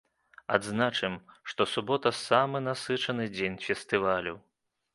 Адзначым, што субота самы насычаны дзень фестывалю.